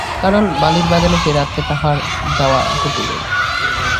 কারণ বালির বাগানে সে রাত্রে তাহার যাওয়া ঘটিল না।